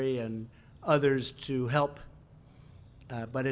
dan orang lain untuk membantu